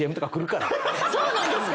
そうなんですか⁉